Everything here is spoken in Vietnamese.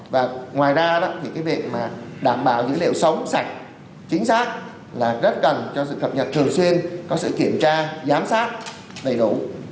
và ngoài ra việc đảm bảo dữ liệu sống sạch chính xác là rất cần cho sự thập nhật thường xuyên có sự kiểm tra giám sát đầy đủ